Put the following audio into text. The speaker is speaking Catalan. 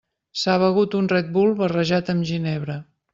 S'ha begut un Red Bull barrejat amb ginebra.